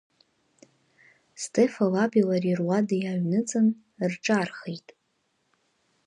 Стефа лаби лареи руада иааҩныҵын, рҿаархеит.